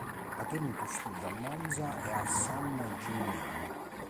Ha tenuto studio a Monza e a San Gimignano.